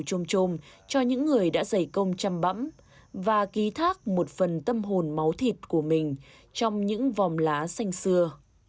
trôm trôm cho những người đã dày công chăm bẫm và ký thác một phần tâm hồn máu thịt của mình trong những vòng lá xanh xưa